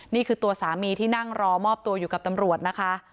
นี่คือตัวสามีที่นั่งรอมอบตัวอยู่กับตำรวจนะคะ